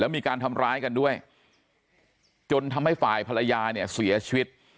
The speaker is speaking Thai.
มีการทำร้ายกันด้วยจนทำให้ฝ่ายภรรยาเนี่ยเสียชีวิต